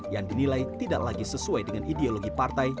yang dinilai tidak lagi sesuai dengan ideologi partai